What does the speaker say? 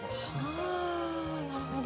はあなるほど。